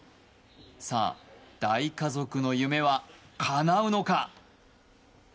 さあ、大家族の夢はかなうのか？